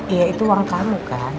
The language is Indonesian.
ya itu uang kamu kan